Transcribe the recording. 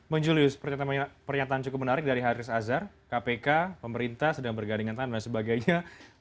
menjulius pernyataan cukup menarik dari haris azhar kpk pemerintah sedang bergandingan tangan dan sebagainya